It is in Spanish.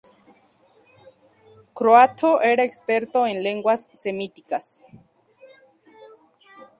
Croatto era experto en lenguas semíticas.